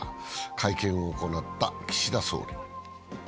会見を行った岸田総理。